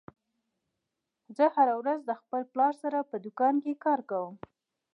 زه هره ورځ د خپل پلار سره په دوکان کې کار کوم